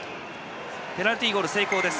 ペナルティーゴール、成功です。